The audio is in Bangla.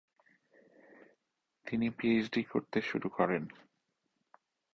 তিনি পিএইচডি করতে শুরু করেন।